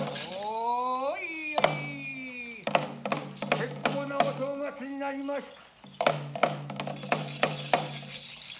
結構なお正月になりました。